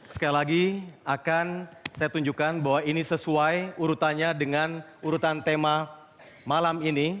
sekali lagi akan saya tunjukkan bahwa ini sesuai urutannya dengan urutan tema malam ini